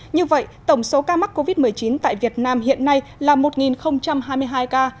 như vậy tổng số ca mắc covid một mươi chín tại việt nam hiện nay là một hai mươi hai ca